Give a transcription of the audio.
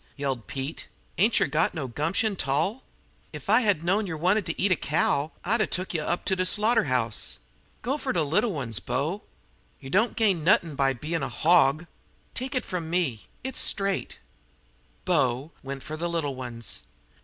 yelled Pete. "Ain't yer got no gumption 't all? Ef I had knowed yer wanted ter eat a cow, I'd 'a' took you up to de slaughter house! Go fer de little ones, bo. Yer don't gain nuttin' by bein' a hawg. Take it from me it's straight!" "Bo" went for the little ones.